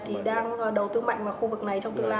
thì đang đầu tư mạnh vào khu vực này trong tương lai